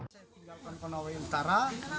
saya tinggalkan konawe utara